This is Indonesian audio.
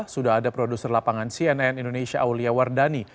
sudah ada produser lapangan cnn indonesia aulia wardani